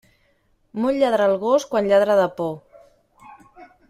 Molt lladra el gos quan lladra de por.